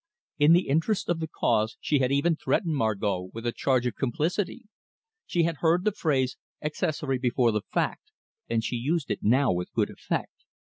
In the interest of the cause she had even threatened Margot with a charge of complicity. She had heard the phrase "accessory before the fact," and she used it now with good effect.